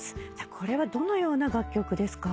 これはどのような楽曲ですか？